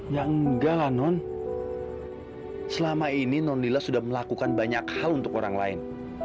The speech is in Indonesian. yang enggak non selama ini non lila sudah melakukan banyak hal untuk orang lain